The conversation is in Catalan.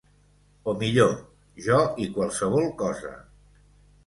O, millor, jo i qualsevol cosa.